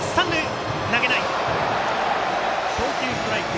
送球ストライク。